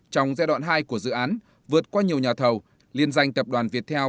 trong giai đoạn hai của dự án vượt qua nhiều nhà thầu liên danh tập đoàn việt theo